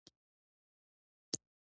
کم دست مزد بې وزلو مرسته نه کوي.